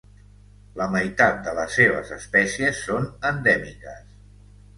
La meitat de les seves espècies són endèmiques.